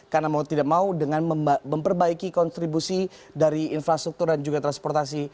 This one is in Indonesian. karena mau tidak mau dengan memperbaiki kontribusi dari infrastruktur dan juga transportasi